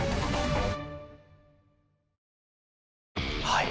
はい。